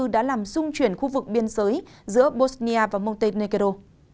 đã làm xung chuyển khu vực biên giới giữa bosnia và montenegro